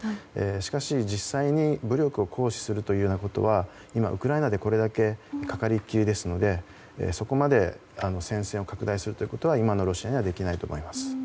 しかし、実際に武力を行使するというようなことは今、ウクライナでこれだけかかりっきりですのでそこまで戦線を拡大することは今のロシアにはできないと思います。